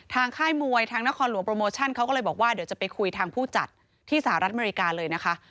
ค่ายมวยทางนครหลวงโปรโมชั่นเขาก็เลยบอกว่าเดี๋ยวจะไปคุยทางผู้จัดที่สหรัฐอเมริกาเลยนะคะ